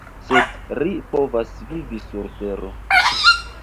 Sed ri povas vivi sur tero.